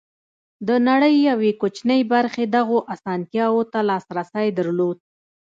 د نړۍ یوې کوچنۍ برخې دغو اسانتیاوو ته لاسرسی درلود.